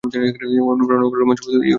অনুপ্রেরণামূলক রোম্যান্স ইউরোপে চলে না।